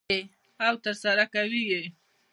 او ترسره کوي یې.